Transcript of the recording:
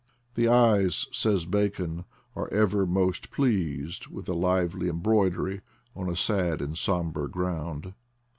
The eyes, says Bacon, are ever most pleased with a lively embroidery on a sad and somber ground.